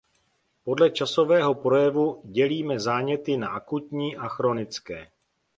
Podle časového projevu dělíme záněty na akutní a chronické.